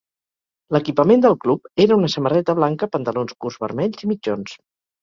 L"equipament del club era una samarreta blanca, pantalons curts vermells i mitjons.